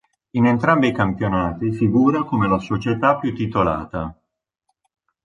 In entrambi i campionati figura come la società più titolata.